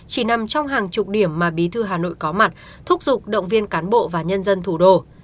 chỉ nằm trong hàng chục điểm mà bí thư hà nội có mặt thúc giục động viên cán bộ và nhân dân thủ đô